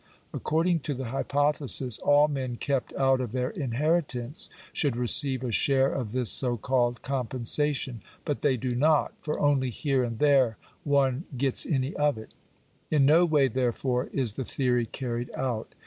According to the hypothesis all men kept out of their inheritance should receive a share of this so called compensation. But they do not; for only here and there one, gets any of it In no way, therefore, is the theory carried out.